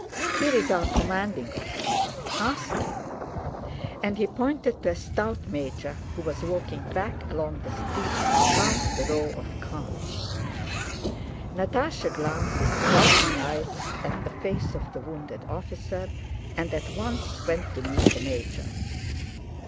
"Here is our commanding officer... ask him," and he pointed to a stout major who was walking back along the street past the row of carts. Natásha glanced with frightened eyes at the face of the wounded officer and at once went to meet the major.